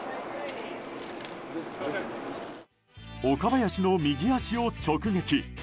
岡林の右足を直撃。